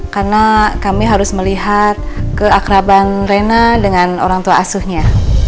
karena kami harus melihat keakraban rena dengan orang tua asuhnya